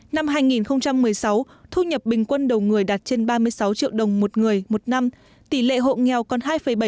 năm hai nghìn một mươi sáu thu nhập bình quân đầu người đạt trên ba mươi sáu triệu đồng một người một năm tỷ lệ hộ nghèo còn hai bảy